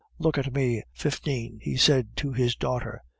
Look at me, Fifine!" he said to his daughter.